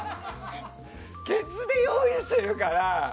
ケツで用意してるから。